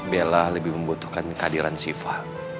bella lebih membutuhkan kehadiran siva